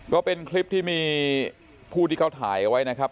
ก็เป็นคลิปที่มีผู้ที่เขาถ่ายเอาไว้นะครับ